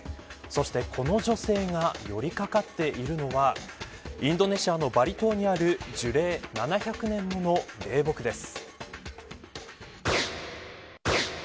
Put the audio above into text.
そして、この女性が寄りかかっているのはインドネシアのバリ島にある樹齢７００年もの霊木です。